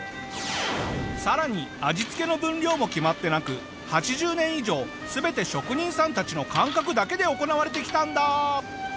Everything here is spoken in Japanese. さらに味付けの分量も決まってなく８０年以上全て職人さんたちの感覚だけで行われてきたんだ！